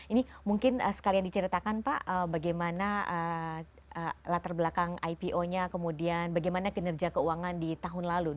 ini mungkin sekalian diceritakan pak bagaimana latar belakang ipo nya kemudian bagaimana kinerja keuangan di tahun lalu dua ribu dua puluh dua